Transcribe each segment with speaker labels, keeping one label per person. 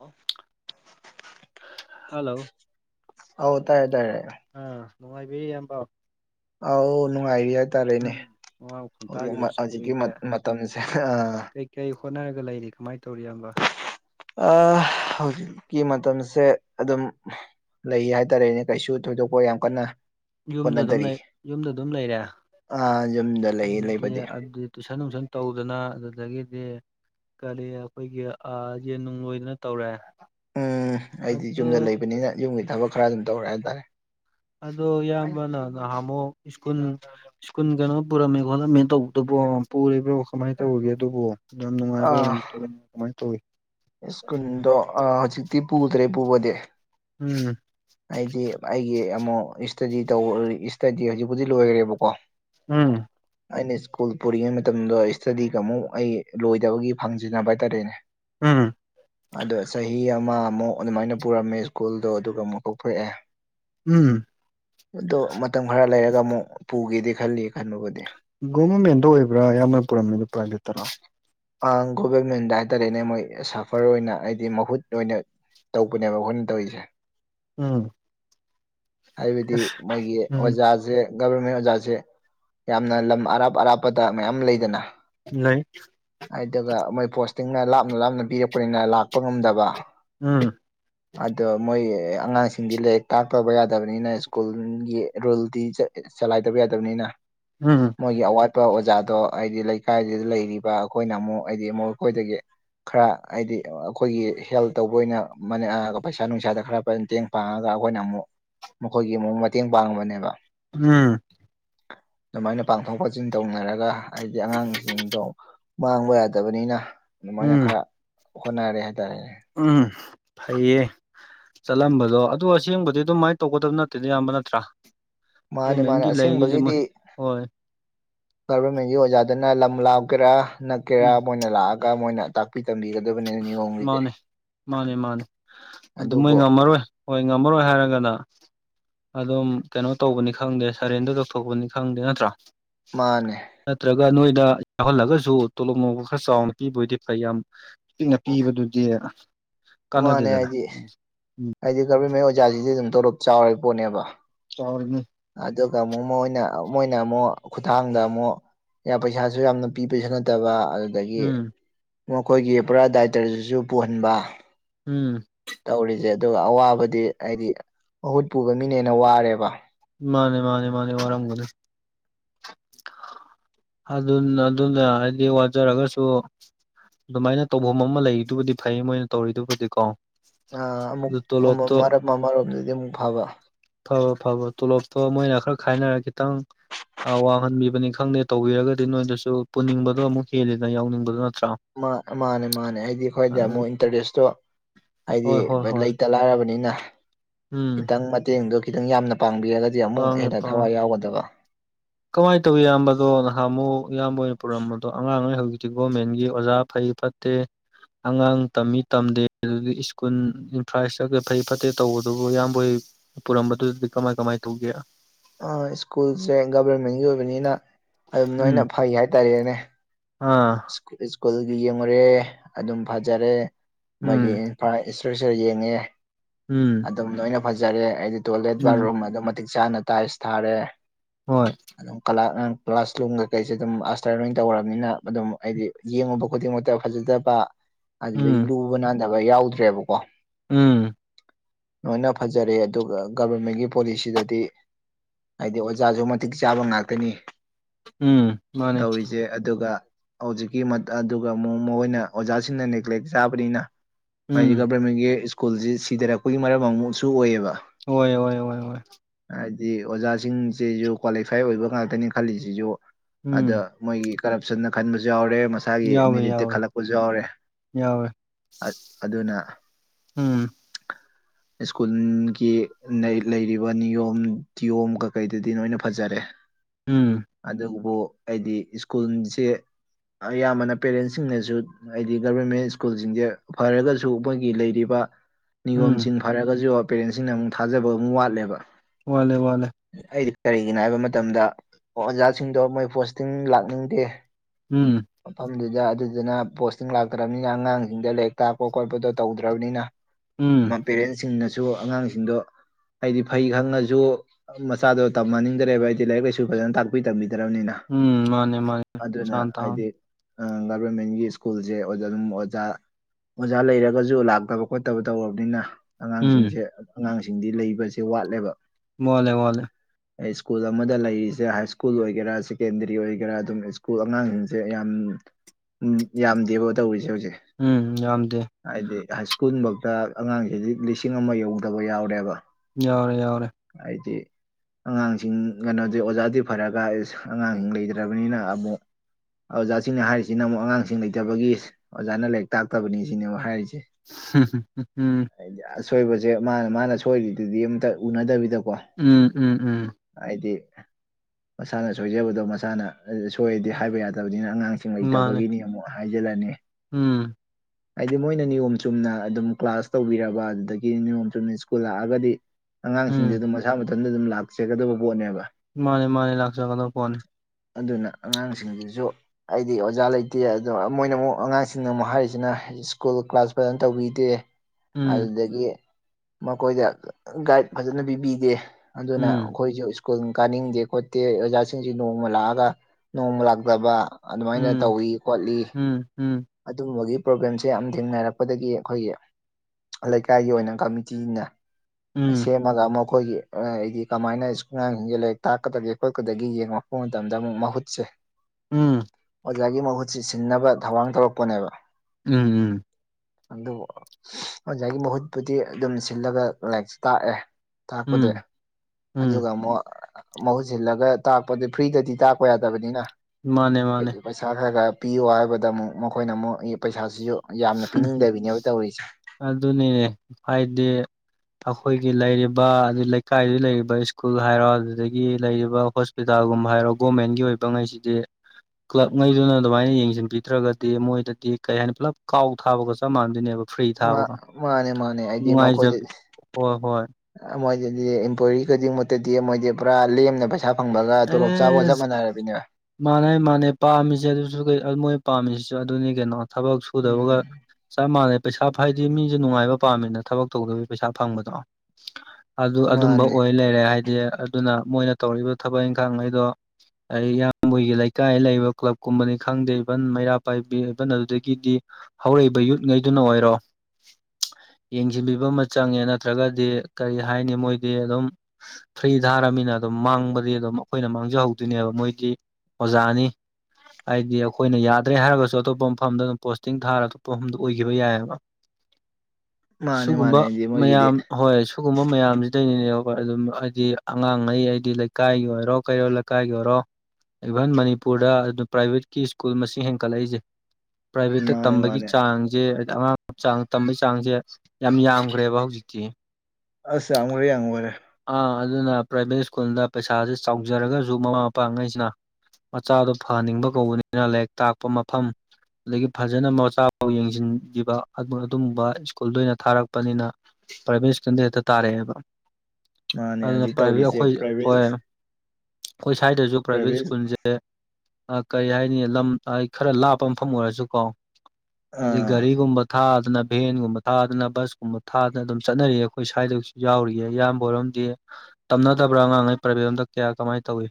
Speaker 1: ꯑꯣ
Speaker 2: ꯍꯜꯂꯣ
Speaker 1: ꯑꯣ ꯇꯥꯏꯌꯦ ꯇꯔꯦ
Speaker 2: ꯑꯥ ꯅꯨꯡꯉꯥꯏꯕꯤꯔꯤ ꯏꯌꯥꯝꯕ
Speaker 1: ꯑꯥꯎ ꯅꯨꯡꯉꯥꯏꯔꯤ ꯍꯥꯏꯇꯥꯔꯦꯅꯦ
Speaker 2: ꯎꯝ ꯋꯥ ꯃꯈꯣꯟ
Speaker 1: ꯍꯧꯖꯤꯛ
Speaker 2: ꯇꯥꯈꯤꯗꯕꯁꯨ
Speaker 1: ꯍꯧꯖꯤꯛꯀꯤ ꯃꯠ ꯃꯇꯝꯁꯦ ꯑꯥ
Speaker 2: ꯀꯩ ꯍꯣꯠꯅꯔꯒꯥ ꯂꯩꯔꯤ ꯀꯃꯥꯏꯅ ꯇꯧꯔꯤ ꯏꯌꯥꯝꯕ
Speaker 1: ꯑꯥ ꯍꯧꯖꯤꯛꯀꯤ ꯃꯇꯝꯁꯦ ꯑꯗꯨꯝ ꯂꯩ ꯍꯥꯏꯇꯥꯔꯦꯅꯦ ꯀꯩꯁꯨ ꯊꯣꯏꯗꯣꯛꯄ ꯌꯥꯝ ꯀꯟꯅ
Speaker 2: ꯌꯨꯝꯗꯥ ꯑꯗꯨꯝ
Speaker 1: ꯍꯣꯠꯅꯗꯔꯤ
Speaker 2: ꯂꯩ ꯌꯨꯝꯗꯥ ꯑꯗꯨꯝ ꯂꯩꯔꯦ
Speaker 1: ꯑꯥ ꯌꯨꯝꯗ ꯂꯩ
Speaker 2: ꯑꯩꯗꯤ
Speaker 1: ꯂꯩꯕꯗꯤ
Speaker 2: ꯑꯗꯨ ꯇꯨꯏꯁꯟ ꯅꯨꯡꯁꯟ ꯇꯧꯗꯅ ꯑꯗꯨꯗꯥꯒꯤꯗꯤ ꯀꯔꯤ ꯑꯩꯈꯣꯏꯒꯤ ꯑꯥ ꯌꯦꯟꯅꯨꯡ ꯂꯣꯏꯗꯅ ꯇꯧꯔꯦ
Speaker 1: ꯎꯝ ꯑꯩꯗꯤ
Speaker 2: ꯑꯗꯨ
Speaker 1: ꯌꯨꯝꯗꯥ ꯂꯩꯕꯅꯤꯅ ꯌꯨꯝꯒꯤ ꯊꯕꯛ ꯈꯔ ꯑꯗꯨꯝ ꯇꯧꯔꯦ ꯍꯥꯏꯇꯥꯔꯦ
Speaker 2: ꯑꯗꯣ ꯏꯌꯥꯝꯕꯅ ꯅꯍꯥꯃꯨꯛ ꯁ꯭ꯀꯨꯜ ꯁ꯭ꯀꯨꯜ ꯀꯩꯅꯣ ꯄꯨꯔꯝꯃꯦ ꯈꯣꯠꯂꯝꯃꯦ ꯇꯧꯕꯗꯨꯕꯣ ꯄꯨꯔꯤꯕ꯭ꯔꯣ ꯀꯃꯥꯏꯅ ꯇꯧꯔꯤꯒꯦ ꯑꯗꯨꯕꯣ ꯑꯗꯨ ꯅꯨꯡꯉꯥꯏꯕ
Speaker 1: ꯑꯥ
Speaker 2: ꯀꯃꯥꯏꯅ ꯇꯧꯋꯤ
Speaker 1: ꯁ꯭ꯀꯨꯜꯗꯣ ꯍꯧꯖꯤꯛꯇꯤ ꯄꯨꯗ꯭ꯔꯦ ꯄꯨꯕꯗꯤ
Speaker 2: ꯎꯝ
Speaker 1: ꯑꯩꯗꯤ ꯑꯩꯒꯤ ꯑꯃꯨꯛ ꯏꯁꯇꯥꯗꯤ ꯇꯧꯔꯤ ꯏꯁꯇꯥꯗꯤ ꯍꯧꯖꯤꯛꯄꯨꯗꯤ ꯂꯣꯏꯒ꯭ꯔꯦꯕꯀꯣ
Speaker 2: ꯎꯝ
Speaker 1: ꯑꯩꯅ ꯁ꯭ꯀꯨꯜ ꯄꯨꯔꯤꯉꯩ ꯃꯇꯝꯗꯣ ꯏꯁꯇꯗꯤꯒꯥ ꯑꯃꯨꯛ ꯑꯩ ꯂꯣꯏꯗꯕꯒꯤ ꯐꯪꯖꯟꯅꯕ ꯍꯥꯏꯇꯥꯔꯦꯅꯦ
Speaker 2: ꯎꯝ
Speaker 1: ꯑꯗꯣ ꯆꯍꯤ ꯑꯃꯃꯨꯛ ꯑꯗꯨꯃꯥꯏꯅ ꯄꯨꯔꯝꯃꯦ ꯁ꯭ꯀꯨꯜꯗꯣ ꯑꯗꯨꯒꯥ ꯑꯃꯨꯛ [unintelligible]
Speaker 2: ꯎꯝ
Speaker 1: ꯑꯗꯣ ꯃꯇꯝ ꯈꯔ ꯂꯩꯔꯒꯥ ꯑꯃꯨꯛ ꯄꯨꯒꯦꯗꯤ ꯈꯜꯂꯤ ꯈꯟꯕꯕꯨꯗꯤ
Speaker 2: ꯒꯣꯕꯔꯃꯦꯟꯗꯥ ꯑꯣꯏꯕ꯭ꯔꯥ ꯏꯌꯥꯝꯕꯅ ꯄꯨꯔꯝꯃꯤꯗꯣ ꯄ꯭ꯔꯥꯏꯚꯦꯠꯇꯔꯥ
Speaker 1: ꯑꯥ ꯒꯣꯕꯔꯃꯦꯟꯗꯥ ꯍꯥꯏꯇꯥꯔꯦꯅꯦ ꯃꯣꯏ ꯁꯥꯐꯔ ꯑꯣꯏꯅ ꯍꯥꯏꯗꯤ ꯃꯍꯨꯠ ꯑꯣꯏꯅ ꯇꯧꯕꯅꯦꯕ ꯑꯩꯈꯣꯏꯅ ꯇꯧꯔꯤꯁꯦ
Speaker 2: ꯎꯝ
Speaker 1: ꯍꯥꯏꯕꯗꯤ ꯃꯣꯏꯒꯤ
Speaker 2: ꯎꯝ
Speaker 1: ꯑꯣꯖꯥꯁꯦ ꯒꯕꯔꯃꯦꯟ ꯑꯣꯖꯥꯁꯦ ꯌꯥꯝꯅ ꯂꯝ ꯑꯔꯥꯞ ꯑꯔꯥꯞꯄꯗꯥ ꯃꯌꯥꯝ ꯂꯩꯗꯅ
Speaker 2: ꯂꯩ
Speaker 1: ꯍꯥꯏꯗꯨꯒꯥ ꯃꯣꯏ ꯄꯣꯁꯇꯤꯡꯅ ꯂꯥꯞꯅ ꯂꯥꯞꯅ ꯄꯤꯔꯛꯄꯅꯤꯅ ꯂꯥꯛꯄ ꯉꯝꯗꯥꯕ
Speaker 2: ꯎꯝ
Speaker 1: ꯑꯗꯣ ꯃꯣꯏ ꯑꯉꯥꯡꯁꯤꯡꯗꯤ ꯂꯥꯏꯔꯤꯛ ꯇꯥꯛꯇꯥꯕ ꯌꯥꯗꯕꯅꯤꯅ ꯁ꯭ꯀꯨꯜꯒꯤ ꯔꯨꯜꯗꯤ ꯆꯂꯥꯏꯗꯥꯕ ꯌꯥꯗꯕꯅꯤꯅ
Speaker 2: ꯎꯝ ꯍꯝ
Speaker 1: ꯃꯣꯏꯒꯤ ꯑꯋꯥꯠꯄ ꯑꯣꯖꯥꯗꯣ ꯍꯥꯏꯗꯤ ꯂꯩꯀꯥꯏꯗꯨꯗꯥ ꯂꯩꯔꯤꯕ ꯑꯩꯈꯣꯏꯅ ꯑꯃꯨꯛ ꯍꯥꯏꯗꯤ ꯑꯃꯨꯛ ꯑꯩꯈꯣꯏꯗꯒꯤ ꯈꯔ ꯍꯥꯏꯗꯤ ꯑꯩꯈꯣꯏꯒꯤ ꯍꯦꯜ ꯇꯧꯕ ꯑꯣꯏꯅ ꯄꯩꯁꯥ ꯅꯨꯡꯁꯥꯗ ꯈꯔ ꯐꯖꯟꯇꯦꯡ ꯄꯥꯡꯉꯒꯥ ꯑꯩꯈꯣꯏꯅ ꯑꯃꯨꯛ ꯃꯈꯣꯏꯒꯤ ꯑꯃꯨꯛ ꯃꯇꯦꯡ ꯄꯥꯡꯕꯅꯦꯕ
Speaker 2: ꯎꯝ
Speaker 1: ꯑꯗꯨꯃꯥꯏꯅ ꯄꯥꯡꯊꯣꯛ ꯋꯥꯁꯤꯟ ꯇꯧꯅꯔꯒꯥ ꯑꯩꯒꯤ ꯑꯉꯥꯡꯁꯤꯡꯗꯣ ꯃꯥꯡꯕ ꯌꯥꯗꯕꯅꯤꯅ ꯑꯗꯨꯃꯥꯏꯅ
Speaker 2: ꯎꯝ
Speaker 1: ꯈꯔ ꯍꯣꯠꯅꯔꯦ ꯍꯥꯏꯇꯥꯔꯦꯅꯦ
Speaker 2: ꯎꯝ ꯐꯩꯌꯦ ꯆꯠꯂꯝꯕꯗꯣ ꯑꯗꯨ ꯑꯁꯦꯡꯕꯗꯤ ꯑꯗꯨꯃꯥꯏꯅ ꯇꯧꯒꯗꯕ ꯅꯠꯇꯦꯗꯗꯥ ꯏꯌꯥꯝꯕ ꯅꯠꯇ꯭ꯔꯥ
Speaker 1: ꯃꯥꯅꯦ ꯃꯥꯅꯦ
Speaker 2: ꯒꯣꯃꯦꯟꯤ ꯂꯩꯥꯏꯔꯤꯖꯦ
Speaker 1: ꯑꯁꯦꯡꯕꯒꯤꯗꯤ
Speaker 2: ꯍꯣꯏ
Speaker 1: ꯒꯚꯔꯃꯦꯟꯒꯤ ꯑꯣꯖꯥꯗꯨꯅ ꯂꯝ ꯂꯥꯀꯦꯔꯥ ꯅꯛꯀꯦꯔꯥ
Speaker 2: ꯎꯝ
Speaker 1: ꯃꯣꯏ ꯅ ꯂꯥꯛꯑꯒꯥ ꯃꯣꯏꯅ ꯇꯥꯛꯄꯤ ꯇꯝꯕꯤꯒꯥ
Speaker 2: ꯃꯥꯅꯦ ꯃꯥꯅꯦ ꯃꯥꯅꯦ ꯑꯗꯨ ꯃꯣꯏ
Speaker 1: ꯑꯗꯨꯕꯨ
Speaker 2: ꯉꯝꯃꯔꯣꯏ ꯍꯣꯏ ꯉꯝꯃꯔꯣꯏ ꯍꯥꯏꯔꯒꯥꯅ ꯑꯗꯨꯝ ꯀꯩꯅꯣ ꯇꯧꯕꯅꯤ ꯈꯪꯗꯦ ꯁꯔꯦꯟꯗꯔ ꯇꯧꯊꯣꯛꯄꯅꯤ ꯈꯪꯗꯦ ꯅꯠꯇ꯭ꯔꯥ
Speaker 1: ꯃꯥꯅꯦ
Speaker 2: ꯅꯠꯇ꯭ꯔꯒꯥ ꯅꯣꯏꯗꯥ ꯌꯥꯎꯍꯜꯂꯒꯥꯁꯨ ꯇꯣꯂꯣꯞ ꯃꯣꯞꯀꯥ ꯈꯔ ꯆꯥꯎꯅ ꯄꯤꯕꯒꯤꯗꯤ ꯐꯩꯌꯥꯝ ꯏꯄꯤꯛꯅ ꯄꯤꯕꯗꯨꯗꯤ
Speaker 1: ꯃꯥꯅꯦ
Speaker 2: ꯀꯥꯟꯅꯗꯦꯗꯥꯅ
Speaker 1: ꯍꯥꯏꯗꯤ
Speaker 2: ꯎꯝ
Speaker 1: ꯍꯥꯏꯗꯤ ꯒꯔꯃꯦꯟ ꯑꯣꯖꯥꯁꯤꯗꯤ ꯑꯗꯨꯝ ꯇꯣꯂꯣꯞ ꯆꯥꯎꯔꯤ ꯄꯣꯠꯅꯦꯕ
Speaker 2: ꯆꯥꯎꯔꯤꯅꯤ
Speaker 1: ꯑꯗꯨꯒ ꯑꯃꯨꯛ ꯃꯣꯏꯅ ꯃꯣꯏꯅ ꯑꯃꯨꯛ ꯈꯨꯊꯥꯡꯗ ꯑꯃꯨꯛ ꯄꯩꯁꯥꯁꯨ ꯌꯥꯝꯅ ꯄꯤꯕꯁꯨ ꯅꯠꯇꯕ ꯑꯗꯒꯤ
Speaker 2: ꯎꯝ
Speaker 1: ꯃꯈꯣꯏꯒꯤ ꯄꯨꯔꯥ ꯗꯥꯏꯇꯔꯗꯨꯁꯨ ꯄꯨꯍꯟꯕ
Speaker 2: ꯎꯝ
Speaker 1: ꯇꯧꯔꯤꯁꯦ ꯑꯗꯨꯒ ꯑꯋꯥꯕꯗꯤ ꯍꯥꯏꯗꯤ ꯃꯍꯨꯠ ꯄꯨꯕ ꯃꯤꯅ ꯍꯦꯅ ꯋꯥꯔꯦꯕ
Speaker 2: ꯃꯥꯅꯦ ꯃꯥꯅꯦ ꯃꯥꯅꯦ ꯋꯥꯔꯝꯒꯅꯤ ꯑꯗꯨ ꯑꯗꯨꯅ ꯍꯥꯏꯗꯤ ꯋꯥꯖꯔꯒꯁꯨ ꯑꯗꯨꯃꯥꯏꯅ ꯇꯧꯐꯝ ꯑꯃ ꯂꯩꯔꯤꯗꯨꯕꯨꯗꯤ ꯐꯩ ꯃꯣꯏꯅ ꯇꯧꯔꯤꯗꯨꯕꯨꯗꯤꯀꯣ
Speaker 1: ꯑꯃꯨꯛ
Speaker 2: ꯑꯗꯨ
Speaker 1: ꯑꯃ ꯃꯔꯝ ꯑꯃꯥꯔꯣꯝꯗꯗꯤ ꯑꯃꯨꯛ ꯐꯕ
Speaker 2: ꯐꯕꯣ ꯐꯕꯣ ꯇꯣꯂꯣꯞꯇꯣ ꯃꯣꯏꯅ ꯈꯔ ꯈꯥꯏꯅꯔ ꯈꯤꯇꯪ ꯑ ꯋꯥꯡꯍꯟꯕꯤꯕꯅꯤ ꯈꯪꯗꯦ ꯇꯧꯕꯤꯔꯒꯗꯤ ꯅꯣꯏꯗꯁꯨ ꯄꯨꯅꯤꯡꯕꯗꯣ ꯑꯃꯨꯛ ꯍꯦꯜꯂꯤꯦꯅ ꯌꯥꯎꯅꯤꯡꯕꯗꯣ ꯅꯠꯇ꯭ꯔꯥ
Speaker 1: ꯃꯥꯅꯦ ꯃꯥꯅꯦ ꯍꯥꯏꯗꯤ ꯑꯩꯈꯣꯏꯗ ꯑꯃꯨꯛ ꯏꯟꯇꯔꯦꯁꯇꯣ ꯍꯥꯏꯗꯤ
Speaker 2: ꯍꯣꯏ ꯍꯣꯏ ꯍꯣꯏ
Speaker 1: ꯂꯩ ꯇ ꯂꯥꯏꯔꯕꯅꯤꯅ
Speaker 2: ꯎꯝ
Speaker 1: ꯈꯤꯇꯪ ꯃꯇꯦꯡꯗꯣ ꯈꯤꯇꯪ ꯌꯥꯝꯅ ꯄꯥꯡꯕꯤꯔꯒ ꯗꯤ ꯑꯃꯨꯛ
Speaker 2: ꯄꯥꯡꯉꯦ
Speaker 1: ꯍꯦꯟꯅ
Speaker 2: ꯄꯥꯡꯉꯦ
Speaker 1: ꯊꯋꯥꯏ ꯌꯥꯎꯒꯗꯕ
Speaker 2: ꯀꯃꯥꯏꯅ ꯇꯧꯋꯤ ꯏꯌꯥꯝꯕꯗꯣ ꯅꯍꯥꯟ ꯃꯨꯛ ꯏꯌꯥꯝꯕ ꯍꯣꯏꯅ ꯄꯨꯔꯝꯕꯗꯣ ꯑꯉꯥꯡ ꯍꯧꯖꯤꯛꯇꯤ ꯒꯣꯔꯃꯦꯟꯒꯤ ꯑꯣꯖꯥ ꯐꯩ ꯐꯠ ꯇꯦ ꯑꯉꯥꯡ ꯇꯝꯃꯤ ꯇꯝꯗꯦ ꯑꯗꯨꯗꯒꯤ ꯁ꯭ꯀꯨꯜ ꯏꯟꯐ꯭ꯔꯥ ꯏꯁꯇ꯭ꯔꯛꯆꯔ ꯐꯩ ꯐꯠꯇꯦ ꯇꯧꯕꯗꯨꯕꯨ ꯏꯌꯥꯝꯕꯍꯣꯏ ꯄꯨꯔꯝꯕꯗꯨꯗꯤ ꯀꯃꯥꯏ ꯀꯃꯥꯏ ꯇꯧꯒꯦ
Speaker 1: ꯑ ꯁ꯭ꯀꯨꯜꯁꯦ ꯒꯕꯔꯃꯦꯟꯒꯤ ꯑꯣꯏꯕꯅꯤꯅ ꯑꯗꯨꯝ
Speaker 2: ꯎꯝ
Speaker 1: ꯂꯣꯏꯅ ꯐꯩ ꯍꯥꯏꯇꯥꯔꯦꯅꯦ
Speaker 2: ꯑꯥ
Speaker 1: ꯁ꯭ꯀꯨꯜꯒꯤ ꯌꯦꯡꯉꯨꯔꯦ ꯑꯗꯨꯝ ꯐꯖꯔꯦ ꯃꯣꯏꯒꯤ
Speaker 2: ꯎꯝ
Speaker 1: ꯑꯥꯏ ꯁꯇ꯭ꯔꯆꯔ ꯌꯦꯡꯉꯦ
Speaker 2: ꯎꯝ
Speaker 1: ꯑꯗꯨꯝ ꯂꯣꯏꯅ ꯐꯖꯔꯦ ꯑꯩꯗꯤ ꯇꯣꯏꯂꯦꯠ
Speaker 2: ꯎꯝ
Speaker 1: ꯕꯥꯠꯔꯨꯝ ꯑꯗꯨꯝ ꯃꯇꯤꯛ ꯆꯥꯅ ꯇꯥꯏꯁ ꯊꯥꯔꯦ
Speaker 2: ꯍꯣꯏ
Speaker 1: ꯑꯗꯨꯝ ꯀꯂꯥ ꯀ꯭ꯂꯥꯁ ꯂꯨꯝ ꯀꯩꯀꯩꯁꯨ ꯑꯗꯨꯝ ꯑꯥꯁꯇꯔ ꯂꯣꯏ ꯇꯧꯔꯕꯅꯤꯅ ꯑꯗꯨꯝ ꯍꯥꯏꯗꯤ ꯌꯦꯡꯉꯨꯕ ꯈꯨꯗꯤꯡꯃꯛꯇ ꯐꯖꯗꯕ ꯑꯗꯨꯗꯒꯤ
Speaker 2: ꯎꯝ
Speaker 1: ꯂꯨ ꯂꯨ ꯅꯥꯟꯗꯕ ꯌꯥꯎꯗ꯭ꯔꯦꯕꯀꯣ
Speaker 2: ꯎꯝ
Speaker 1: ꯂꯣꯏꯅ ꯐꯖꯔꯦ ꯑꯗꯨꯒ ꯒꯕꯔꯃꯦꯟꯒꯤ ꯄꯣꯂꯤꯁꯤꯗꯗꯤ ꯍꯥꯏꯗꯤ ꯑꯣꯖꯥꯁꯨ ꯃꯇꯤꯛ ꯆꯥꯕ ꯉꯥꯛꯇꯅꯤ
Speaker 2: ꯎꯝ ꯃꯥꯅꯦ
Speaker 1: ꯇꯧꯔꯤꯁꯦ ꯑꯗꯨꯒ ꯍꯧꯖꯤꯛꯀꯤ ꯑꯗꯨꯒ ꯑꯃꯨꯛ ꯃꯣꯏꯅ ꯑꯣꯖꯥꯁꯤꯡꯅ ꯅꯦꯒ꯭ꯂꯦꯛ ꯆꯥꯕꯅꯤꯅ
Speaker 2: ꯎꯝ
Speaker 1: ꯍꯥꯏꯗꯤ ꯒꯚꯔꯃꯦꯟꯒꯤ ꯁ꯭ꯀꯨꯜꯁꯤ ꯁꯤꯊꯔꯛꯄꯒꯤ ꯃꯔꯝ ꯑꯃꯁꯨꯛꯁꯨ ꯑꯣꯏꯌꯦꯕ
Speaker 2: ꯑꯣꯏ ꯑꯣꯏ ꯑꯣꯏ [unintelligible]
Speaker 1: ꯍꯥꯏꯗꯤ ꯑꯣꯖꯥꯁꯤꯡꯁꯤꯁꯨ ꯀ꯭ꯋꯥꯂꯤꯐꯥꯏ ꯑꯣꯏꯕ ꯉꯥꯛꯇꯅꯤ ꯈꯜꯂꯤꯁꯤꯁꯨ
Speaker 2: ꯎꯝ
Speaker 1: ꯑꯗ ꯃꯣꯏꯒꯤ ꯀꯔꯞꯁꯟꯅ ꯈꯟꯕꯁꯨ ꯌꯥꯎꯔꯦ ꯃꯁꯥꯒꯤ
Speaker 2: ꯌꯥꯎꯋꯦ
Speaker 1: ꯃꯦꯔꯤꯠꯇ
Speaker 2: ꯌꯥꯎꯋꯦ
Speaker 1: ꯈꯜꯂꯛꯄꯁꯨ ꯌꯥꯎꯔꯦ
Speaker 2: ꯌꯥꯎꯋꯦ
Speaker 1: ꯑꯗꯨꯅ
Speaker 2: [inaudible]
Speaker 1: ꯁ꯭ꯀꯨꯜꯒꯤ ꯂꯩꯔꯤꯕ ꯅꯤꯌꯣꯝ ꯇꯤꯌꯣꯝ ꯀꯀꯩꯗꯗꯤ ꯂꯣꯏꯅ ꯐꯖꯔꯦ
Speaker 2: ꯎꯝ
Speaker 1: ꯑꯗꯨꯕꯨ ꯑꯩꯗꯤ ꯁ꯭ꯀꯨꯜꯁꯦ ꯑꯌꯥꯝꯕꯅ ꯄꯦꯔꯦꯟꯁꯤꯡꯅꯁꯨ ꯍꯥꯏꯗꯤ ꯒꯚꯔꯃꯦꯟ ꯁ꯭ꯀꯨꯜꯁꯤꯡꯁꯦ ꯐꯔꯒꯁꯨ ꯃꯣꯏꯒꯤ ꯂꯩꯔꯤꯕ
Speaker 2: ꯎꯝ
Speaker 1: ꯅꯤꯌꯣꯝꯁꯤꯡ ꯐꯔꯒꯁꯨ ꯄꯦꯔꯦꯟꯁꯤꯡꯅ ꯑꯃꯨꯛ ꯊꯥꯖꯕ ꯑꯃꯨꯛ ꯋꯥꯠꯂꯦꯕ
Speaker 2: ꯋꯥꯠꯂꯦ ꯋꯥꯠꯂꯦ
Speaker 1: ꯑꯩꯗꯤ ꯀꯔꯤꯒꯤꯅꯣ ꯍꯥꯏꯕ ꯃꯇꯝꯗ ꯑꯣꯖꯥꯁꯤꯡꯗꯣ ꯃꯣꯏ ꯄꯣꯁꯇꯤꯡ ꯂꯥꯛꯅꯤꯡꯗꯦ
Speaker 2: ꯎꯝ
Speaker 1: ꯃꯐꯝꯗꯨꯗ ꯑꯗꯨꯗꯨꯅ ꯄꯣꯁꯇꯤꯡ ꯂꯥꯛꯇ꯭ꯔꯕꯅꯤꯅ ꯑꯉꯥꯡꯁꯤꯡꯗ ꯂꯥꯏꯔꯤꯛ ꯇꯥꯛꯄ ꯈꯣꯠꯄꯗꯣ ꯇꯧꯗ꯭ꯔꯕꯅꯤꯅ
Speaker 2: ꯎꯝ
Speaker 1: ꯄꯦꯔꯦꯟꯁꯁꯤꯡꯅꯁꯨ ꯑꯉꯥꯡꯁꯤꯡꯗꯣ ꯍꯥꯏꯗꯤ ꯐꯩ ꯈꯪꯉꯁꯨ ꯃꯆꯥꯗꯣ ꯇꯝꯍꯟꯅꯤꯡꯗ꯭ꯔꯦꯕ ꯍꯥꯏꯗꯤ ꯂꯥꯏꯔꯤꯛ ꯂꯥꯏꯁꯨ ꯐꯖꯅ ꯇꯥꯛꯄꯤ ꯇꯝꯕꯤꯗ꯭ꯔꯕꯅꯤꯅ
Speaker 2: ꯎꯝ ꯃꯥꯅꯦ ꯃꯥꯅꯦ
Speaker 1: ꯑꯗꯨꯅ
Speaker 2: ꯁꯥꯟꯇꯟ
Speaker 1: ꯍꯥꯏꯗꯤ ꯒꯚꯔꯃꯦꯟꯒꯤ ꯁ꯭ꯀꯨꯜꯁꯦ ꯑꯣꯖ ꯑꯗꯨꯝ ꯑꯣꯖꯥ ꯑꯣꯖꯥ ꯂꯩꯔꯒꯁꯨ ꯂꯥꯛꯇꯕ ꯈꯣꯠꯇꯕ ꯇꯧꯔꯕꯅꯤꯅ
Speaker 2: ꯎꯝ
Speaker 1: ꯑꯉꯥꯡꯁꯤꯡꯁꯦ ꯑꯉꯥꯡꯁꯤꯡꯗꯤ ꯂꯩꯕꯁꯦ ꯋꯥꯠꯂꯦꯕ
Speaker 2: ꯃꯥꯂꯦ ꯋꯥꯂꯦ
Speaker 1: ꯑꯩ ꯁ꯭ꯀꯨꯜ ꯑꯃꯗ ꯂꯩꯔꯤꯁꯦ ꯍꯥꯏ ꯁ꯭ꯀꯨꯜ ꯑꯣꯏꯒꯦꯔꯥ ꯁꯦꯀꯦꯟꯗꯔꯤ ꯑꯣꯏꯒꯦꯔꯥ ꯑꯗꯨꯝ ꯁ꯭ꯀꯨꯜ ꯑꯉꯥꯡꯁꯤꯡ ꯌꯥꯝ ꯌꯥꯝꯗꯦꯕ ꯇꯧꯔꯤꯁꯦ ꯍꯧꯖꯤꯛ
Speaker 2: ꯎꯝ ꯌꯥꯝꯗꯦ
Speaker 1: ꯍꯥꯏꯗꯤ ꯍꯥꯏ ꯁ꯭ꯀꯨꯜ ꯐꯥꯎꯇ ꯑꯉꯥꯡꯁꯤꯗꯤ ꯂꯤꯁꯤꯡ ꯑꯃ ꯌꯧꯗꯕ ꯌꯥꯎꯔꯦꯕ
Speaker 2: ꯌꯥꯎꯔꯦ ꯌꯥꯎꯔꯦ
Speaker 1: ꯍꯥꯏꯗꯤ ꯑꯉꯥꯡꯁꯤꯡ ꯀꯩꯅꯣꯗꯤ ꯑꯣꯖꯥꯗꯤ ꯐꯔꯒ ꯑꯉꯥꯡꯁꯤꯡ ꯂꯩꯇ꯭ꯔꯕꯅꯤꯅ ꯑꯃꯨꯛ ꯑꯣꯖꯥꯁꯤꯡꯅ ꯍꯥꯏꯔꯤꯁꯤꯅ ꯑꯃꯨꯛ ꯑꯉꯥꯡꯁꯤꯡ ꯂꯩꯇꯕꯒꯤ ꯑꯣꯖꯥꯅ ꯂꯥꯏꯔꯤꯛ ꯇꯥꯛꯇꯕꯅꯤ ꯁꯤꯅꯦꯕ ꯍꯥꯏꯔꯤꯁꯦ
Speaker 2: ꯎꯝ
Speaker 1: ꯍꯥꯏꯗꯤ ꯑꯁꯣꯏꯕꯁꯦ ꯃꯥꯅ ꯃꯥꯅ ꯑꯁꯣꯏꯔꯤꯗꯨꯗꯤ ꯑꯝꯇ ꯎꯅꯗꯕꯤꯗꯀꯣ
Speaker 2: ꯎꯝ ꯎꯝ ꯎꯝ
Speaker 1: ꯍꯥꯏꯗꯤ ꯃꯁꯥꯅ ꯁꯣꯏꯖꯕꯗꯣ ꯃꯁꯥꯅ ꯁꯣꯏꯔꯗꯤ ꯍꯥꯏꯕ ꯌꯥꯗꯕꯅꯤꯅ ꯑꯉꯥꯡꯁꯤꯡ ꯁꯤꯡ
Speaker 2: ꯃꯥꯅꯦ
Speaker 1: ꯂꯩꯇꯕꯒꯤꯅꯤ ꯑꯃꯨꯛ ꯍꯥꯏꯖꯤꯜꯂꯅꯤ
Speaker 2: ꯎꯝ
Speaker 1: ꯍꯥꯏꯗꯤ ꯃꯣꯏꯅ ꯅꯤꯌꯣꯝ ꯆꯨꯝꯅ ꯑꯗꯨꯝ ꯀ꯭ꯂꯥꯁ ꯇꯧꯕꯤꯔꯕ ꯑꯗꯨꯗꯒꯤ ꯅꯤꯌꯣꯝ ꯆꯨꯝꯅ ꯁ꯭ꯀꯨꯜ ꯂꯥꯛꯑꯒꯗꯤ ꯑꯉꯥꯡꯁꯤꯡꯁꯦ
Speaker 2: ꯎꯝ
Speaker 1: ꯑꯗꯨꯝ ꯃꯁꯥ ꯃꯊꯟꯇ ꯑꯗꯨꯝ ꯂꯥꯛꯆꯒꯗꯕ ꯄꯣꯠꯅꯦꯕ
Speaker 2: ꯃꯥꯅꯦ ꯃꯥꯅꯦ ꯂꯥꯛꯆꯒꯗꯕ ꯐꯣꯅꯤ
Speaker 1: ꯑꯗꯨꯅ ꯑꯉꯥꯡꯁꯤꯡꯁꯤꯁꯨ ꯑꯩꯗꯤ ꯑꯣꯖꯥ ꯂꯩꯇꯦ ꯑꯗꯣ ꯃꯣꯏꯅ ꯑꯃꯨꯛ ꯑꯉꯥꯡꯁꯤꯡꯅ ꯑꯃꯨꯛ ꯍꯥꯏꯔꯤꯁꯤꯅ ꯁ꯭ꯀꯨꯜ ꯀ꯭ꯂꯥꯁ ꯐꯖꯅ ꯇꯧꯕꯤꯗꯦ
Speaker 2: ꯎꯝ
Speaker 1: ꯑꯗꯨꯗꯒꯤ ꯃꯈꯣꯏꯗ ꯒꯥꯏꯗ ꯐꯖꯅ ꯄꯤꯕꯤꯗꯦ ꯑꯗꯨꯅ
Speaker 2: ꯎꯝ
Speaker 1: ꯑꯩꯈꯣꯏꯁꯨ ꯁ꯭ꯀꯨꯜ ꯀꯥꯅꯤꯡꯗꯦ ꯈꯣꯠꯇꯦ ꯑꯣꯖꯥꯁꯤꯡꯁꯤ ꯅꯣꯡꯃ ꯂꯥꯛꯑꯒ ꯅꯣꯡ ꯂꯥꯛꯇꯕ ꯑꯗꯨꯃꯥꯏꯅ
Speaker 2: ꯎꯝ
Speaker 1: ꯇꯧꯋ ꯈꯣꯠꯂꯤ
Speaker 2: ꯎꯝ ꯎꯝ
Speaker 1: ꯑꯗꯨꯝꯕꯒꯤ ꯄ꯭ꯔꯣꯕ꯭ꯂꯦꯝꯁꯦ ꯌꯥꯝ ꯊꯦꯡꯅꯏꯔꯛꯄꯗꯒꯤ ꯑꯩꯈꯣꯏꯒꯤ ꯂꯩꯀꯥꯏꯒꯤ ꯑꯣꯏꯅ ꯀꯃꯤꯇꯤꯅ
Speaker 2: ꯎꯝ
Speaker 1: ꯑꯁ ꯑꯃꯒ ꯃꯈꯣꯏꯒꯤ ꯍꯥꯏꯗꯤ ꯀꯃꯥꯏꯅ ꯑꯉꯥꯡꯁꯤꯡꯁꯦ ꯂꯥꯏꯔꯤꯛ ꯇꯥꯛꯀꯗꯒꯦ ꯈꯣꯠꯀꯗꯒꯦ ꯌꯦꯡꯂꯡꯉꯛꯄ ꯃꯇꯝꯗ ꯑꯃꯨꯛ ꯃꯍꯨꯠꯁꯦ
Speaker 2: ꯎꯝ
Speaker 1: ꯑꯣꯖꯥꯒꯤ ꯃꯍꯨꯠꯁꯤ ꯁꯤꯟꯅꯕ ꯊꯧꯔꯥꯡ ꯇꯧꯔꯛꯄꯅꯦꯕ
Speaker 2: ꯎꯝ ꯎꯝ
Speaker 1: ꯑꯗꯨ ꯑꯣꯖꯥꯒꯤ ꯃꯍꯨꯠꯄꯨꯗꯤ ꯑꯗꯨꯝ ꯁꯤꯜꯂꯒ ꯂꯥꯏꯔꯤꯛꯁꯨ ꯇꯥꯛꯑꯦ ꯇꯥꯛꯄꯗꯤ
Speaker 2: ꯎꯝ ꯎꯝ
Speaker 1: ꯑꯗꯨꯒ ꯑꯃꯨꯛ ꯃꯍꯨꯠ ꯁꯤꯜꯂꯒ ꯇꯥꯛꯄꯗꯤ ꯐ꯭ꯔꯤꯗꯗꯤ ꯇꯥꯛꯄ ꯌꯥꯗꯕꯅꯤꯅ
Speaker 2: ꯃꯥꯅꯦ ꯃꯥꯅꯦ
Speaker 1: ꯄꯩꯁꯥ ꯈꯔ ꯈꯔ ꯄꯤꯌꯣ ꯍꯥꯏꯕꯗ ꯑꯃꯨꯛ ꯃꯈꯣꯏꯅ ꯑꯃꯨꯛ ꯄꯩꯁꯥꯁꯤꯁꯨ ꯌꯥꯝꯅ ꯄꯤꯅꯤꯡꯗꯕꯤꯅꯦꯕ ꯇꯧꯔꯤꯁꯦ
Speaker 2: ꯑꯗꯨꯅꯤꯅꯦ ꯍꯥꯏꯗꯤ ꯑꯩꯈꯣꯏꯒꯤ ꯂꯩꯔꯤꯕ ꯑꯗꯨ ꯂꯩꯀꯥꯏꯗꯨ ꯂꯩꯔꯤꯕ ꯁ꯭ꯀꯨꯜ ꯍꯥꯏꯔꯣ ꯑꯗꯨꯗꯒꯤ ꯂꯩꯔꯤꯕ ꯍꯣꯁꯄꯤꯇꯥꯜꯒꯨꯝꯕ ꯍꯥꯏꯔꯣ ꯒꯣꯔꯃꯦꯟꯒꯤ ꯑꯣꯏꯕ ꯉꯩꯁꯤꯗꯤ ꯀ꯭ꯂꯕꯉꯩꯗꯨꯅ ꯑꯗꯨꯃꯥꯏꯅ ꯌꯦꯡꯁꯤꯟꯕꯤꯗ꯭ꯔꯒꯗꯤ ꯃꯣꯏꯗꯗꯤ ꯀꯩ ꯍꯥꯏꯅꯤ ꯄꯨꯂꯞ ꯀꯥꯎ ꯊꯥꯕꯒ ꯆꯞ ꯃꯥꯟꯅꯗꯣꯏꯅꯦꯕ ꯐ꯭ꯔꯤ ꯊꯥꯕꯒ
Speaker 1: ꯃꯥꯅꯦ ꯃꯥꯅꯦ ꯑꯩꯗꯤ ꯃꯈꯣꯏꯗ
Speaker 2: ꯅꯨꯡꯉꯥꯏꯖꯕꯤ ꯍꯣꯏ ꯍꯣꯏ
Speaker 1: ꯃꯣꯏꯗꯗꯤ ꯏꯝꯄ꯭ꯂꯣꯏꯔꯤ ꯈꯨꯗꯤꯡꯃꯛꯇꯗꯤ ꯃꯣꯏꯗꯤꯦ ꯄꯨꯔꯥ ꯂꯦꯝꯅ ꯄꯩꯁꯥ ꯐꯪꯕꯒ ꯇꯣꯂꯣꯞ ꯆꯥꯕꯒ ꯆꯞ ꯃꯥꯟꯅꯔꯔꯕꯅꯦꯕ
Speaker 2: ꯃꯥꯥꯟꯅꯩ ꯃꯥꯥꯟꯅꯩ ꯄꯥꯝꯃꯤꯁꯦ ꯑꯗꯨꯁꯨ ꯀ ꯃꯣꯏ ꯄꯥꯝꯃꯤꯁꯤꯁꯨ ꯑꯗꯨꯅꯤ ꯀꯩꯅꯣ ꯊꯕꯛ ꯁꯨꯗꯕꯒ
Speaker 1: ꯎꯝ
Speaker 2: ꯆꯞ ꯃꯥꯟꯅꯩ ꯄꯩꯁꯥ ꯐꯥꯏꯗꯤ ꯃꯤꯖꯦ ꯅꯨꯡꯉꯥꯏꯕ ꯄꯥꯝꯃꯤꯅ ꯊꯕꯛ ꯇꯧꯗꯕꯤ ꯄꯩꯁꯥ ꯐꯪꯕꯗꯣ ꯑꯗꯨ ꯑꯗꯨꯝꯕ
Speaker 1: ꯃꯥꯅꯦ
Speaker 2: ꯑꯣꯏ ꯂꯩꯔꯦ ꯍꯥꯏꯗꯤ ꯑꯗꯨꯅ ꯃꯣꯏꯅ ꯇꯧꯔꯤꯕ ꯊꯕꯛ ꯏꯪꯈꯥꯡ ꯃꯩꯗꯣ ꯑꯩ ꯏꯌꯥ ꯃꯣꯏꯒꯤ ꯂꯩꯀꯥꯏ ꯂꯩꯕ ꯀ꯭ꯂꯕ ꯀꯨꯝꯕꯅꯤ ꯈꯪꯗꯦ ꯏꯚꯟ ꯃꯩꯔꯥ ꯄꯥꯏꯕꯤ ꯏꯚꯟ ꯑꯗꯨꯗꯒꯤꯗꯤ ꯍꯧꯔꯛꯏꯕ ꯌꯨꯠꯉꯩꯗꯨꯅ ꯑꯣꯏꯔꯣ ꯌꯦꯡꯖꯤꯟꯕꯤꯕ ꯑꯃ ꯆꯪꯉꯦ ꯅꯠꯇ꯭ꯔꯒꯗꯤ ꯀꯔꯤ ꯍꯥꯏꯅꯤ ꯃꯣꯏꯗꯤ ꯑꯗꯨꯝ ꯐ꯭ꯔꯤ ꯊꯥꯔꯃꯤꯅ ꯑꯗꯨꯝ ꯃꯥꯡꯕꯗꯤ ꯑꯗꯨꯝ ꯑꯈꯣꯏꯅ ꯃꯥꯡꯖꯍꯧꯗꯣꯏꯅꯦꯕ ꯃꯣꯏꯗꯤ ꯑꯣꯖꯥꯅꯤ ꯍꯥꯏꯗꯤ ꯑꯈꯣꯏꯅ ꯌꯥꯗ꯭ꯔꯦ ꯍꯥꯏꯔꯒꯁꯨ ꯑꯇꯣꯞꯄ ꯃꯐꯝꯗ ꯑꯗꯨꯝ ꯄꯣꯁꯇꯤꯡ ꯊꯥꯔ ꯑꯇꯣꯞꯄ ꯃꯐꯝꯗ ꯑꯣꯏꯒꯤꯕ ꯌꯥꯏꯑꯕ
Speaker 1: ꯃꯥꯅꯦ ꯃꯥꯅꯦ
Speaker 2: ꯁꯤꯒꯨꯝꯕ
Speaker 1: ꯑꯩꯗꯤ ꯃꯣꯏꯒꯤꯗꯤ
Speaker 2: ꯃꯌꯥꯝ ꯍꯣꯏ ꯄꯨꯒꯨꯝꯕ ꯃꯌꯥꯝꯖꯤꯗꯩꯅꯤꯅꯦ ꯑꯈꯣꯏ ꯑꯗꯨꯝ ꯍꯥꯏꯗꯤ ꯑꯉꯥꯡꯉꯩ ꯍꯥꯏꯗꯤ ꯂꯩꯀꯥꯏꯒꯤ ꯑꯣꯏꯔꯣ ꯀꯩꯔꯣꯜ ꯂꯩꯀꯥꯏꯒꯤ ꯑꯣꯏꯔꯣ ꯏꯚꯟ ꯃꯅꯤꯄꯨꯔꯗ ꯑꯗꯨ ꯄ꯭ꯔꯥꯏꯚꯦꯠꯀꯤ ꯁ꯭ꯀꯨꯜ ꯃꯁꯤꯡ ꯍꯦꯟꯀꯠꯂꯛꯏꯖꯦ ꯄ꯭ꯔꯥꯏꯚꯦꯠꯇ
Speaker 1: ꯃꯥꯅꯦ
Speaker 2: ꯇꯝꯕꯒꯤ
Speaker 1: ꯃꯥꯅꯦ
Speaker 2: ꯆꯥꯡꯖꯦ ꯍꯥꯏꯗꯤ ꯑꯉꯥꯡ ꯆꯥꯡ ꯇꯝꯕꯩ ꯆꯥꯡꯖꯦ ꯌꯥꯝ ꯌꯥꯝꯒ꯭ꯔꯦꯕ ꯍꯧꯖꯤꯛꯇꯤ
Speaker 1: ꯑꯁ ꯌꯥꯝꯒ꯭ꯔꯦ ꯌꯥꯝꯒ꯭ꯔꯦ
Speaker 2: ꯑꯥ ꯑꯗꯨꯅ ꯄ꯭ꯔꯥꯏꯚꯦꯠ ꯁ꯭ꯀꯨꯜꯗ ꯄꯩꯁꯥꯖꯦ ꯆꯥꯎꯖꯔꯒꯁꯨ ꯃꯃꯥ ꯃꯄꯥꯉꯩꯁꯤꯅ ꯃꯆꯥꯗꯣ ꯐꯍꯟꯅꯤꯡꯕ ꯀꯧꯕꯅꯤꯅ ꯂꯥꯏꯔꯤꯛ ꯇꯥꯛꯄ ꯃꯐꯝ ꯑꯗꯒꯤ ꯐꯖꯅ ꯃꯆꯥ ꯐꯥꯎ ꯌꯦꯡꯁꯤꯟꯈꯤꯕ ꯑꯗꯨ ꯑꯗꯨꯝꯕ ꯁ꯭ꯀꯨꯜꯗ ꯑꯣꯏꯅ ꯊꯥꯔꯛꯄꯅꯤꯅ ꯄ꯭ꯔꯥꯏꯕꯦꯠ ꯁ꯭ꯀꯨꯜꯗ ꯍꯦꯛꯇ ꯇꯥꯔꯛꯑꯦꯕ
Speaker 1: ꯃꯥꯅꯦ
Speaker 2: ꯑꯗꯨꯅ
Speaker 1: ꯍꯧꯖꯤꯛ
Speaker 2: ꯄ꯭ꯔꯥꯏꯚꯦꯠ
Speaker 1: ꯇꯧꯔꯤꯁꯦ
Speaker 2: ꯑꯈꯣꯏ
Speaker 1: ꯄ꯭ꯔꯥꯏꯚꯦꯠ
Speaker 2: ꯍꯣꯏ ꯑꯈꯣꯏ ꯁ꯭ꯋꯥꯏꯗꯖꯨ ꯄ꯭ꯔꯥꯏꯚꯦꯠ ꯁ꯭ꯀꯨꯜꯖꯦ ꯑꯥ ꯀꯔꯤ ꯍꯥꯏꯅꯤ ꯂꯝ ꯑꯥꯏ ꯈꯔ ꯂꯥꯞꯄ ꯃꯐꯝ ꯑꯣꯏꯔꯖꯨ ꯀꯣ ꯑꯗꯩ
Speaker 1: ꯑꯥ
Speaker 2: ꯒꯥꯔꯤꯒꯨꯝꯕ ꯊꯥꯗꯅ ꯚꯦꯟꯒꯨꯝꯕ ꯊꯥꯗꯅ ꯕꯁꯀꯨꯝꯕ ꯊꯥꯗꯅ ꯑꯗꯨꯝ ꯆꯠꯅꯔꯤꯌꯦ ꯑꯈꯣꯏ ꯁ꯭ꯋꯥꯏꯗ ꯌꯥꯎꯔꯤꯌꯦ ꯏꯌꯥꯝꯕ ꯍꯣꯏꯔꯣꯝꯗꯤ ꯇꯝꯅꯗꯕ꯭ꯔꯥ ꯑꯉꯥꯡꯉꯩ ꯄ꯭ꯔꯥꯏꯕꯦꯠꯂꯣꯝꯗ ꯀꯌꯥ ꯀꯃꯥꯏ ꯇꯧꯋꯤ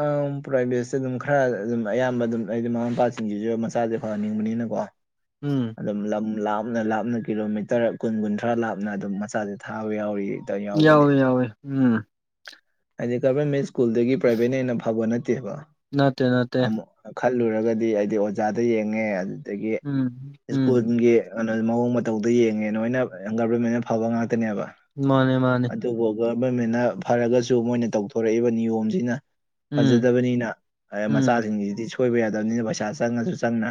Speaker 1: ꯑ ꯄ꯭ꯔꯥꯏꯚꯦꯠꯁꯦ ꯑꯗꯨꯝ ꯈꯔ ꯑꯗꯨꯝ ꯑꯌꯥꯝꯕ ꯑꯗꯨꯝ ꯑꯩꯗꯤ ꯃꯃꯥ ꯃꯄꯥꯁꯤꯡꯖꯤꯖꯨ ꯃꯆꯥꯁꯦ ꯐꯍꯟꯅꯤꯡꯕꯅꯤꯅꯀꯣ
Speaker 2: ꯎꯝ
Speaker 1: ꯂꯝ ꯂꯥꯞꯅ ꯂꯥꯞꯅ ꯀꯤꯂꯣꯃꯤꯇꯔ ꯀꯨꯟ ꯀꯨꯟꯊ꯭ꯔꯥ ꯂꯥꯞꯅ ꯑꯗꯨꯝ ꯃꯆꯥꯖꯦ ꯊꯥꯕ ꯌꯥꯎꯔꯤꯌꯦ
Speaker 2: ꯌꯥꯎꯋꯦ ꯌꯥꯎꯋꯦ ꯎꯝ
Speaker 1: ꯍꯥꯏꯗꯤ ꯒꯕꯔꯃꯦꯟ ꯁ꯭ꯀꯨꯜꯗꯒꯤ ꯄ꯭ꯔꯥꯏꯚꯦꯠꯅ ꯍꯦꯟꯅ ꯐꯕ ꯅꯠꯇꯦꯕ
Speaker 2: ꯅꯠꯇꯦ ꯅꯠꯇꯦ
Speaker 1: ꯑꯃꯨꯛ ꯈꯜꯂꯨꯔꯒꯗꯤ ꯍꯥꯏꯗꯤ ꯑꯣꯖꯥꯗ ꯌꯦꯡꯉꯦ ꯑꯗꯨꯗꯒꯤ
Speaker 2: ꯎꯝ ꯎꯝ
Speaker 1: ꯁꯀꯨꯜꯒꯤ ꯀꯩꯅꯣ ꯃꯑꯣꯡ ꯃꯇꯧꯗ ꯌꯦꯡꯉꯦ ꯅꯣꯏꯅ ꯒꯕꯔꯃꯦꯟꯅ ꯐꯕ ꯉꯥꯛꯇꯅꯦꯕ
Speaker 2: ꯃꯥꯅꯦ ꯃꯥꯅꯦ
Speaker 1: ꯑꯗꯨꯕꯨ ꯒꯚꯔꯃꯦꯟꯅ ꯐꯔꯒꯁꯨ ꯃꯣꯏꯅ ꯇꯧꯊꯣꯔꯛꯏꯕ ꯅꯤꯌꯣꯝꯁꯤꯅ
Speaker 2: ꯎꯝ
Speaker 1: ꯐꯖꯗꯕꯅꯤꯅ ꯑ
Speaker 2: ꯎꯝ
Speaker 1: ꯃꯆꯥꯁꯤꯡꯁꯤꯗꯤ ꯁꯣꯏꯕ ꯌꯥꯗꯕꯅꯤꯅ ꯄꯩꯁꯥ ꯆꯪꯉꯁꯨ ꯆꯪꯅ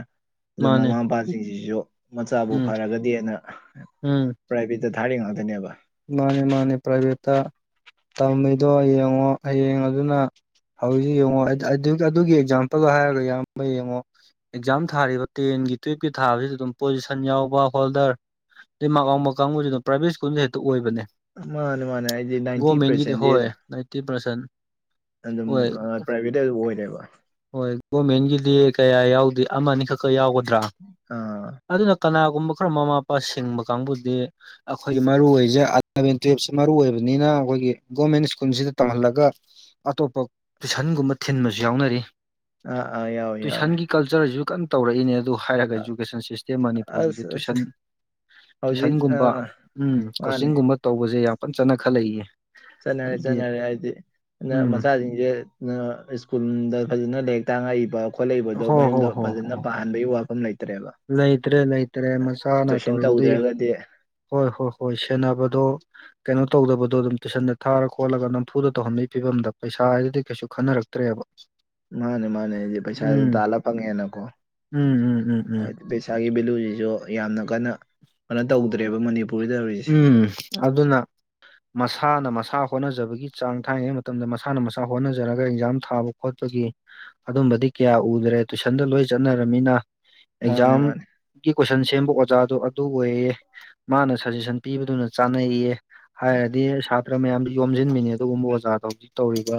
Speaker 1: ꯑꯗꯨ
Speaker 2: ꯃꯥꯅꯦ
Speaker 1: ꯃꯃꯥ ꯃꯄꯥꯁꯤꯡꯁꯤꯁꯨ ꯃꯆꯥꯕꯨ
Speaker 2: ꯎꯝ
Speaker 1: ꯐꯔꯒꯗꯤ ꯅ
Speaker 2: ꯎꯝ
Speaker 1: ꯄ꯭ꯔꯥꯏꯚꯦꯠꯇ ꯊꯥꯔꯤ ꯉꯥꯛꯇꯅꯦꯕ
Speaker 2: ꯃꯥꯅꯦ ꯃꯥꯅꯦ ꯄ꯭ꯔꯥꯏꯚꯦꯠꯇ ꯇꯝꯃꯤꯗꯣ ꯌꯦꯡꯉꯣ ꯍꯌꯦꯡ ꯑꯗꯨꯅ ꯍꯧꯖꯤꯛ ꯌꯦꯡꯉꯣ ꯑꯥꯏꯗ ꯑꯗꯨꯏꯗ ꯑꯗꯨꯒꯤ ꯑꯦꯛꯖꯥꯝꯄꯜꯗꯣ ꯍꯥꯏꯔꯒ ꯏꯌꯥꯝꯕ ꯌꯦꯡꯉꯣ ꯑꯦꯛꯖꯥꯝ ꯊꯥꯔꯤꯕ ꯇꯦꯟꯒꯤ ꯇꯨꯌꯦꯜꯞꯀꯤ ꯊꯥꯕꯖꯤꯗ ꯑꯗꯨꯝ ꯄꯣꯖꯤꯁꯟ ꯌꯥꯎꯕ ꯍꯣꯜꯗꯔ ꯗꯩ ꯃꯥꯛ ꯋꯥꯎꯕ ꯀꯥꯡꯕꯨꯖꯤ ꯑꯗꯨꯝ ꯄ꯭ꯔꯥꯏꯚꯦꯠ ꯁ꯭ꯀꯨꯜꯗꯩ ꯍꯦꯛꯇ ꯑꯣꯏꯕꯅꯦ
Speaker 1: ꯃꯥꯅꯦ ꯃꯥꯅꯦ ꯑꯩꯗꯤ ꯅꯥꯏꯟꯇꯤ ꯄ꯭ꯔꯁꯦꯟꯇꯦꯗ
Speaker 2: ꯇꯤ ꯄ꯭ꯔꯁꯟ
Speaker 1: ꯑꯗꯨꯝ ꯑ ꯄ꯭ꯔꯥꯏꯚꯦꯠꯇꯩ ꯑꯗꯨꯝ ꯑꯣꯏꯔꯦꯕ
Speaker 2: ꯍꯣꯏ ꯒꯣꯔꯃꯦꯟꯒꯤꯗꯤ ꯀꯌꯥ ꯌꯥꯎꯗꯦ ꯑꯃ ꯑꯅꯤ ꯈꯛꯀ ꯌꯥꯎꯒꯗ꯭ꯔꯥ
Speaker 1: ꯑꯥ
Speaker 2: ꯑꯗꯨꯅ ꯀꯅꯥꯒꯨꯝꯕ ꯈꯔ ꯃꯃꯥ ꯃꯄꯥ ꯁꯤꯡꯕ ꯀꯥꯡꯕꯨꯗꯤ ꯑꯈꯣꯏꯒꯤ ꯃꯔꯨꯏ ꯑꯣꯏ ꯖꯤꯛ ꯑꯦꯂꯚꯦꯟ ꯇꯨꯋꯜꯞꯁꯤ ꯃꯔꯨ ꯑꯣꯏꯕꯅꯤꯅ ꯑꯈꯣꯏꯒꯤ ꯒꯣꯔꯃꯦꯟ ꯁ꯭ꯀꯨꯜꯖꯤꯗ ꯇꯝꯍꯜꯂꯒ ꯑꯇꯣꯞꯄ ꯇꯨꯏꯁꯟꯒꯨꯝꯕ ꯊꯤꯟꯕꯁꯨ ꯌꯥꯎꯅꯔꯤ
Speaker 1: ꯑꯥ ꯑꯥ ꯌꯥꯎꯋꯦ ꯌꯥꯎꯋꯦ
Speaker 2: ꯀꯜꯆꯔꯖꯤꯖꯨ ꯀꯟꯅ ꯇꯧꯔꯛꯏꯅꯦ ꯑꯗꯨ ꯍꯥꯏꯔꯒ ꯏꯖꯨꯀꯦꯁꯟ ꯁꯤꯁꯇꯦꯝ ꯃꯅꯤꯄꯨꯔꯒꯤꯗ
Speaker 1: ꯑꯁ ꯑꯁ
Speaker 2: ꯇꯨꯏꯁꯟ
Speaker 1: ꯍꯧꯖꯤꯛ
Speaker 2: ꯇꯨꯏꯁꯟꯒꯨꯝꯕ
Speaker 1: ꯑꯥ
Speaker 2: ꯎꯝ
Speaker 1: ꯃꯥꯅꯦ
Speaker 2: ꯀꯣꯆꯤꯡꯒꯨꯝꯕ ꯇꯧꯕꯁꯦ ꯌꯥꯝ ꯀꯟ ꯆꯠꯅ ꯈꯜꯂꯛꯏꯌꯦ
Speaker 1: ꯆꯅꯥ ꯍꯥꯏ ꯆꯅꯥꯔꯦ ꯍꯥꯏꯗꯤ
Speaker 2: ꯎꯝ
Speaker 1: ꯃꯁꯥ ꯁ꯭ꯀꯨꯜꯗ ꯐꯖꯅ ꯂꯥꯏꯔꯤꯛ ꯇꯥꯡꯉꯛꯏꯕ ꯈꯣꯠꯂꯛꯏꯕꯗꯣ
Speaker 2: ꯍꯣꯏ
Speaker 1: ꯃꯌꯨꯝꯗ
Speaker 2: ꯍꯣꯏ ꯍꯣꯏ
Speaker 1: ꯐꯖꯅ
Speaker 2: ꯍꯣꯏ
Speaker 1: ꯄꯥ ꯍꯥꯟꯕꯒꯤ ꯋꯥꯐꯝ ꯂꯩꯇ꯭ꯔꯦꯕ
Speaker 2: ꯂꯩꯇ꯭ꯔꯦ ꯂꯩꯇ꯭ꯔꯦ ꯃꯁꯥꯅ
Speaker 1: ꯇꯨꯏꯁꯟ
Speaker 2: ꯇꯧꯔꯤꯕꯗꯨ
Speaker 1: ꯇꯧꯗ꯭ꯔꯒꯗꯤ
Speaker 2: ꯍꯣꯏ ꯍꯣꯏ ꯍꯣꯏ ꯁꯦꯟꯅꯕꯗꯣ ꯀꯩꯅꯣ ꯇꯧꯗꯕꯗꯣ ꯑꯗꯨꯝ ꯇꯨꯏꯁꯟꯗ ꯊꯥꯔ ꯈꯣꯠꯂꯒ ꯅꯝꯐꯨꯗ ꯇꯧꯍꯟꯕꯒꯤ ꯐꯤꯕꯝꯗ ꯄꯩꯁꯥ ꯍꯥꯏꯗꯨꯗꯤ ꯀꯩꯁꯨ ꯈꯟꯅꯔꯛꯇ꯭ꯔꯦꯕ [unintelligible]
Speaker 1: ꯃꯥꯅꯦ ꯃꯥꯅꯦ ꯄꯩꯁꯥ
Speaker 2: ꯎꯝ
Speaker 1: ꯇꯥꯂ ꯄꯉ ꯌꯥ ꯅꯀꯣ
Speaker 2: ꯎꯝ ꯎꯝ ꯎꯝ ꯎꯝ
Speaker 1: ꯄꯩꯁꯥꯒꯤ ꯚꯦꯂꯨꯁꯤꯁꯨ ꯌꯥꯝꯅ ꯀꯟꯅ ꯀꯟꯅꯣ ꯇꯧꯗ꯭ꯔꯦꯕ ꯃꯅꯤꯄꯨꯔꯒꯤꯗꯧꯔꯤꯁꯦ
Speaker 2: ꯎꯝ ꯑꯗꯨꯅ ꯃꯁꯥꯅ ꯃꯁꯥ ꯍꯣꯠꯅꯖꯕꯒꯤ ꯆꯥꯡ ꯊꯥꯏꯉꯩ ꯃꯇꯝꯗ ꯃꯁꯥꯅ ꯃꯁꯥ ꯍꯣꯠꯅꯖꯔꯒ ꯑꯦꯛꯖꯥꯝ ꯊꯥꯕ ꯈꯣꯠꯄꯒꯤ ꯑꯗꯨꯝꯕꯗꯤ ꯀꯌꯥ ꯎꯗ꯭ꯔꯦ ꯇꯨꯏꯁꯟꯗ ꯂꯣꯏ ꯆꯠꯅꯔꯅꯤꯅ
Speaker 1: ꯃꯥꯅꯦ ꯃꯥꯅꯦ
Speaker 2: ꯑꯦꯛꯖꯥꯝꯒꯤ ꯀꯣꯏꯁꯟ ꯁꯦꯝꯕ ꯑꯣꯖꯥꯗꯣ ꯑꯗꯨ ꯑꯣꯏꯌꯦ ꯃꯥꯅ ꯁꯖꯦꯁꯟ ꯄꯤꯕꯗꯨꯅ ꯆꯥꯅꯩꯌꯦ ꯍꯥꯏꯔꯗꯤ ꯈꯔ ꯃꯌꯥꯝꯁꯨ ꯌꯣꯝꯁꯤꯟꯃꯤꯅꯦ ꯑꯗꯨꯒꯨꯝꯕ ꯑꯣꯖꯥꯗ ꯍꯧꯖꯤꯛ ꯇꯧꯔꯤꯕ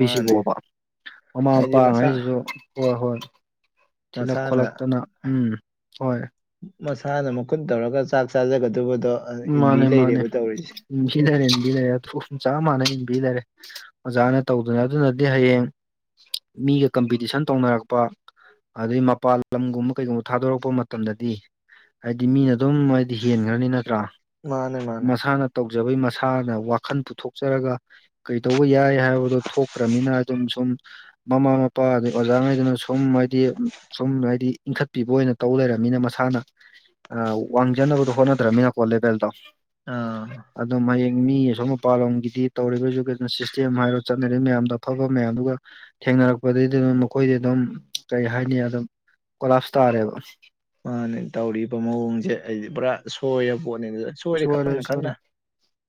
Speaker 1: ꯃꯥꯅꯦ
Speaker 2: ꯃꯃꯥ
Speaker 1: ꯍꯥꯏꯗꯤ ꯃꯁꯥ
Speaker 2: ꯃꯄꯥꯉꯩꯁꯤꯁꯨ ꯍꯣꯏ ꯍꯣꯏ ꯊꯤꯜꯂꯛ
Speaker 1: ꯃꯁꯥꯅ
Speaker 2: ꯈꯣꯠꯂꯛꯇꯅ ꯎꯝ ꯍꯣꯏ
Speaker 1: ꯃꯁꯥꯅ ꯃꯈꯨꯟ ꯇꯧꯔꯒ ꯆꯥꯛ ꯆꯥꯖꯒꯗꯕꯗꯣ
Speaker 2: ꯃꯥꯅꯦ
Speaker 1: ꯏꯟꯕꯤ
Speaker 2: ꯃꯥꯅꯦ
Speaker 1: ꯂꯩꯔꯦꯕ ꯇꯧꯔꯤꯁꯦ
Speaker 2: ꯏꯁꯤꯊꯔꯦ ꯏꯟꯕꯤꯗꯔꯦꯨꯝ ꯆꯥ ꯃꯥꯅ ꯏꯟꯕꯤꯗꯔꯦ ꯑꯣꯖꯥꯅ ꯇꯧꯗꯅ ꯑꯗꯨꯅꯗꯤ ꯍꯌꯦꯡ ꯃꯤꯒ ꯀꯝꯄꯤꯇꯤꯁꯟ ꯇꯧꯅꯔꯛꯄ ꯑꯗꯨꯩ ꯃꯄꯥꯟ ꯂꯝꯒꯨꯝꯕ ꯀꯩꯒꯨꯝꯕ ꯊꯥꯗꯣꯔꯛꯄ ꯃꯇꯝꯗꯗꯤ ꯍꯥꯏꯗꯤ ꯃꯤꯅ ꯑꯗꯨꯝ ꯍꯥꯏꯗꯤ ꯍꯦꯟꯈ꯭ꯔꯅꯤ ꯅꯠꯇ꯭ꯔꯥ
Speaker 1: ꯃꯥꯅꯦ ꯃꯥꯅꯦ
Speaker 2: ꯃꯁꯥꯅ ꯇꯧꯖꯕꯩ ꯃꯁꯥꯅ ꯋꯥꯈꯜ ꯄꯨꯊꯣꯛꯆꯔꯒ ꯀꯩꯗꯧꯕ ꯌꯥꯏ ꯍꯥꯏꯕꯗꯣ ꯊꯣꯛꯇ꯭ꯔꯅꯤꯅ ꯑꯗꯨꯝ ꯁꯨꯝ ꯃꯃꯥ ꯃꯄꯥ ꯑꯗꯩ ꯑꯣꯖꯥꯉꯩꯗꯨꯅ ꯁꯨꯝ ꯍꯥꯏꯗꯤ ꯁꯨꯝ ꯍꯥꯏꯗꯤ ꯏꯟꯈꯠꯄꯤꯕ ꯑꯣꯏꯅ ꯇꯧ ꯂꯩꯔꯃꯤꯅ ꯃꯁꯥꯅ ꯋꯥꯡꯖꯅꯕꯗꯣ ꯍꯣꯠꯅꯗ꯭ꯔꯕꯃꯤꯅꯀꯣ ꯂꯦꯕꯦꯜꯗꯣ
Speaker 1: ꯑꯥ
Speaker 2: ꯑꯗꯣ ꯍꯌꯦꯡ ꯃꯤ ꯑꯁꯣꯝ ꯃꯄꯥꯟ ꯂꯝꯒꯤꯗꯤ ꯇꯧꯔꯤꯕ ꯏꯖꯨꯀꯦꯁꯟ ꯁꯤꯁꯇꯦꯝ ꯍꯥꯏꯔꯣ ꯆꯠꯅꯔꯤꯕ ꯃꯌꯥꯝꯗꯣ ꯑꯐꯕ ꯃꯌꯥꯝꯗꯨꯒ ꯊꯦꯡꯅꯔꯛꯄꯗꯒꯤꯩꯗꯤ ꯑꯗꯨꯝ ꯃꯈꯣꯏꯗꯤ ꯑꯗꯨꯝ ꯀꯔꯤ ꯍꯥꯏꯅꯤ ꯑꯗꯨꯝ ꯀꯣꯂꯥꯞꯁ ꯇꯥꯔꯦꯕ
Speaker 1: ꯃꯥꯅꯦ ꯇꯧꯔꯤꯕ ꯃꯑꯣꯡꯁꯦ ꯑꯩꯗꯤ ꯄꯨꯔꯥ ꯁꯣꯏꯔ ꯄꯣꯠꯅꯦ ꯁꯣꯏꯔꯦ ꯈꯪꯅ ꯈꯪꯅ